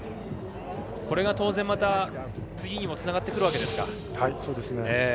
これが当然、次にもつながってくるわけですか。